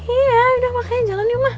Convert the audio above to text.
iya udah makanya jalan ya mah